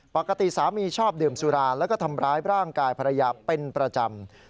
ปกติสามีชอบดื่มสุราแล้วก็ทำร้ายร่างกายภรรยาเป็นประจำ